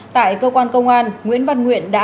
tại cơ quan công an nguyễn văn nguyễn đã